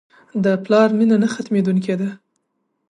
د پلار مینه نه ختمېدونکې ده.